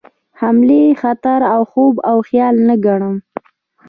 حملې خطر خوب او خیال نه ګڼم.